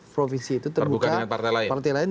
provinsi itu terbuka partai lain